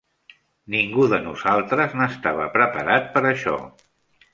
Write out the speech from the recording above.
Ningú de nosaltres n'estava preparat per això.